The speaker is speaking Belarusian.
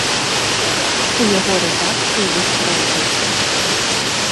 У яго рэдакцыі ліст разбух.